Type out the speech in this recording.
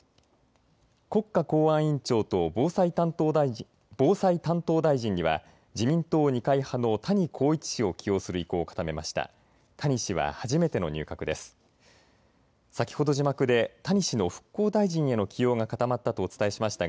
国家公安委員長と防災担当大臣には自民党二階派の谷公一氏を起用する意向を固めました。